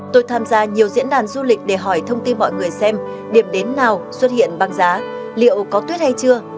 tôi tham gia nhiều diễn đàn du lịch để hỏi thông tin mọi người xem điểm đến nào xuất hiện băng giá liệu có tuyết hay chưa